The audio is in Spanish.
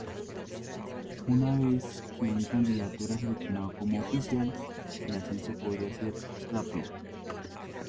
Una vez que un candidato era seleccionado como oficial, el ascenso podía ser rápido.